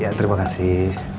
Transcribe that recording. ya terima kasih